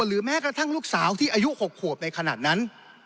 หรือแม้กระทั่งลูกสาวที่อายุ๖ขวบในขณะนั้น